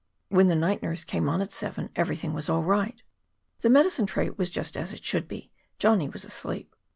When the night nurse came on at seven, everything was all right. The medicine tray was just as it should be. Johnny was asleep.